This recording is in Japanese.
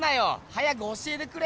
早く教えてくれ！